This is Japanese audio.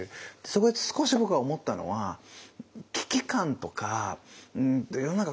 そこで少し僕が思ったのは危機感とか世の中